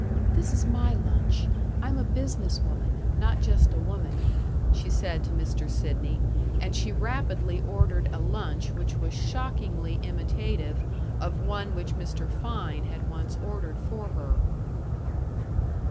"This is my lunch. I'm a business woman, not just a woman," she said to Mr. Sidney; and she rapidly ordered a lunch which was shockingly imitative of one which Mr. Fein had once ordered for her.